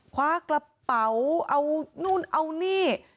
คว้ากระเป๋าเอานู่นเอานี่